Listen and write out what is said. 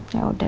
ya udah deh